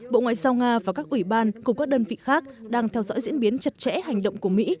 bộ ngoại giao nga và các ủy ban cùng các đơn vị khác đang theo dõi diễn biến chặt chẽ hành động của mỹ